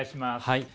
はい。